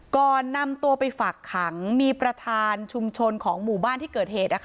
ก่อนนำตัวไปฝากขังมีประธานชุมชนของหมู่บ้านที่เกิดเหตุ